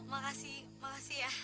makasih makasih ya